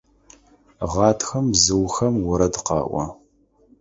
Гъатхэм бзыухэм орэд къаӏо.